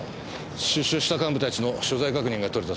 出所した幹部たちの所在確認が取れたそうです。